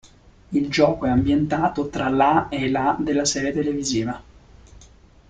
Il gioco è ambientato tra la e la della serie televisiva.